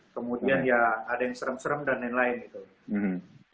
kemudian ya ada yang serem serem dan lain lain gitu